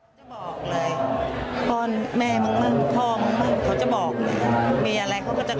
ก่อนหน้านี้เขาจังจะได้ตลอดพอเรามาพ่อพาป้อนแม่มันมาป้อนพ่อมันควรจะบอก